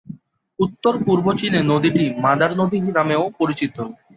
উত্তর-পূর্ব চীনে নদীটি "মাদার নদী" নামেও পরিচিত।